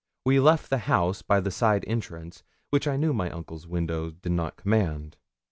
We left the house by the side entrance, which I knew my uncle's windows did not command.